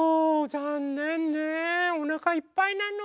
ざんねんねおなかいっぱいなの？